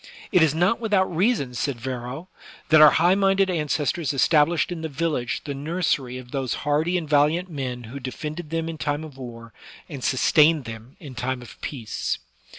It is not without reason, said Varro, that our high minded ancestors established in the village the nursery of those hardy and valiant men who defended them in time of war and sustained them in time of peace.